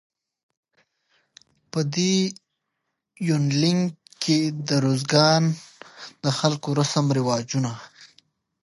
په دې يونليک کې د روزګان د خلکو رسم رواجونه